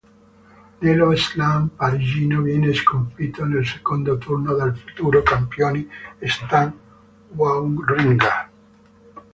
Nello Slam parigino viene sconfitto nel secondo turno dal futuro campione Stan Wawrinka.